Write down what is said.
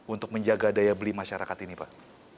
untuk menjaga daya beli masyarakat ini pak